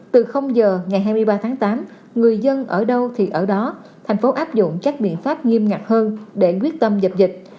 từ giờ ngày hai mươi ba tháng tám người dân ở đâu thì ở đó thành phố áp dụng các biện pháp nghiêm ngặt hơn để quyết tâm dập dịch